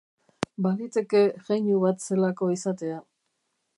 Baliteke jeinu bat zelako izatea.